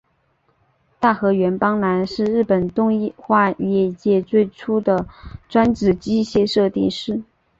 大河原邦男是日本动画业界最初的专职机械设定师。